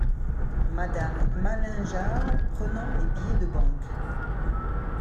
Madame Malingear , Prenant les billets de banque.